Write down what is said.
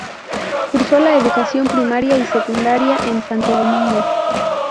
Cursó la educación primaria y secundaria en Santo Domingo.